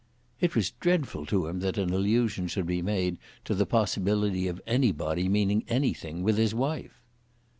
It was dreadful to him that an allusion should be made to the possibility of anybody "meaning anything" with his wife.